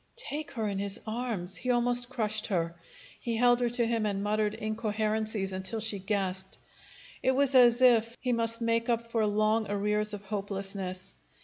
Take her in his arms! He almost crushed her. He held her to him and muttered incoherencies until she gasped. It was as if he must make up for long arrears of hopelessness.